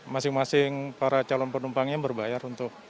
masing masing para calon penumpangnya berbayar untuk